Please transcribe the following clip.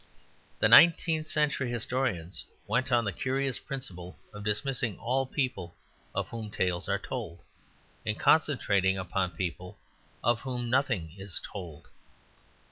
The nineteenth century historians went on the curious principle of dismissing all people of whom tales are told, and concentrating upon people of whom nothing is told.